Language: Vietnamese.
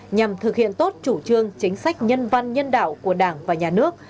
nhằm thực hiện tốt chủ trương chính sách nhân văn nhân đạo của đảng và nhà nước